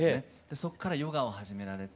そこからヨガを始められて。